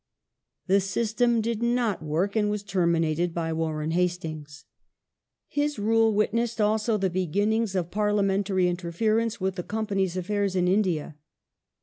The system did not work and was terminated by Warren Hastings. His rule witnessed also the beginnings of parliamentary interference with the Company's affaii s in India.